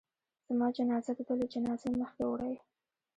زما جنازه د ده له جنازې مخکې وړئ.